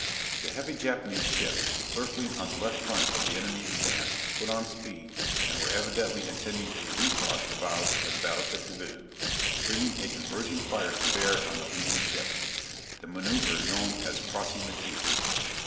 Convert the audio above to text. The heavy Japanese ships, circling on the left front of the enemy's advance, put on speed, and were evidently intending to recross the bows of the battleship division, bringing a converging fire to bear on the leading ships the manoeuvre known as "crossing the T."